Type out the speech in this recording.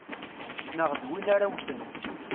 Neɣ d win ara wten.